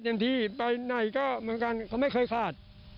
อย่างที่ไปไหนก็เหมือนกันเขาไม่เคยขาด